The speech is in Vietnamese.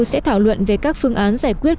sẽ thảo luận về các phương án giải quyết